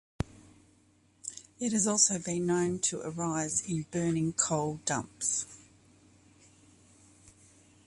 It has also been known to arise in burning coal dumps.